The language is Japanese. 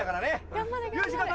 頑張れ頑張れ。